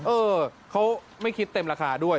เออเขาไม่คิดเต็มราคาด้วย